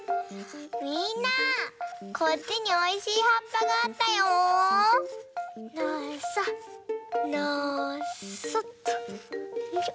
みんなこっちにおいしいはっぱがあったよ！のそのそっとよいしょ。